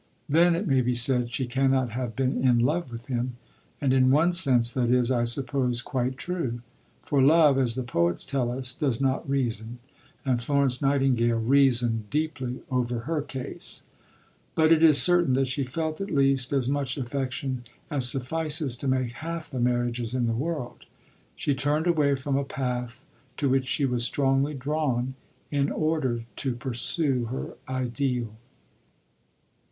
Then, it may be said, she cannot have been "in love" with him. And in one sense that is, I suppose, quite true; for love, as the poets tell us, does not reason, and Florence Nightingale reasoned deeply over her case. But it is certain that she felt at least as much affection as suffices to make half the marriages in the world. She turned away from a path to which she was strongly drawn in order to pursue her Ideal.